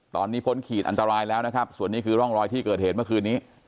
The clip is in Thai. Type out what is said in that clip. ตอนนี้พ้นขีดอันตรายแล้วนะครับส่วนนี้คือร่องรอยที่เกิดเหตุเมื่อคืนนี้